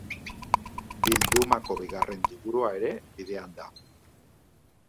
Bildumako bigarren liburua ere bidean da.